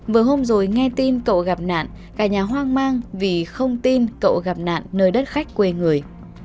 vừa hôm rồi nghe tin cậu gặp nạn cả nhà hoang mang vì không tin cậu gặp nạn nơi đất khách quê người